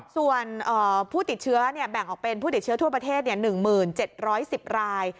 ส่วนผู้ติดเชื้อแบ่งออกเป็นผู้ติดเชื้อทั่วประเทศ๑๗๑๐ราย